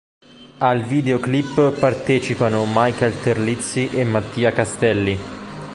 Al videoclip partecipano Michael Terlizzi e Mattia Castelli.